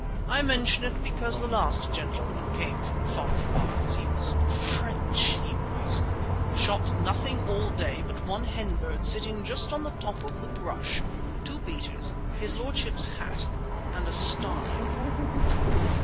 I mention it because the last gentleman who came from foreign parts—he was French, he was—shot nothing all day but one hen bird sitting just on the top of the brush, two beaters, his lordship's hat, and a starling."